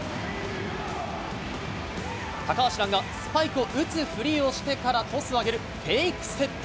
高橋藍がスパイクを打つふりをしてからトスを上げる、フェイクセット。